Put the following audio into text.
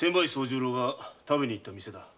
惣十郎が食べに行った店だ。